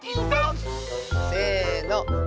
せの。